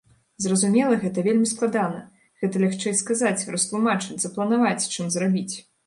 Зразумела, гэта вельмі складана, гэта лягчэй сказаць, растлумачыць, запланаваць, чым зрабіць.